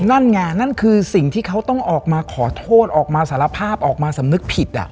นั่นไงนั่นคือสิ่งที่เขาต้องออกมาขอโทษออกมาสารภาพออกมาสำนึกผิด